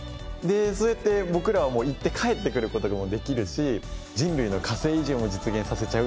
そうやって僕らはもう行って帰ってくる事もできるし人類の火星移住も実現させちゃう。